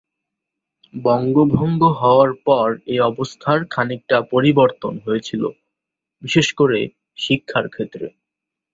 বঙ্গভঙ্গ হওয়ার পর এ অবস্থার খানিকটা পরিবর্তন হয়েছিল, বিশেষ করে শিক্ষার ক্ষেত্রে।